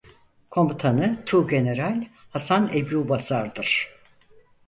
Komutanı Tuğgeneral Hasan Ebubasar'dır.